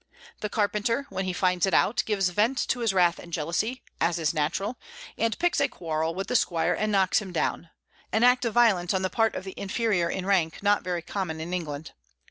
The carpenter, when he finds it out, gives vent to his wrath and jealousy, as is natural, and picks a quarrel with the squire and knocks him down, an act of violence on the part of the inferior in rank not very common in England.